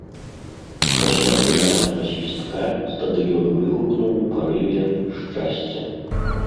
Пасля фінальнага свістка стадыён выгукнуў ў парыве шчасця.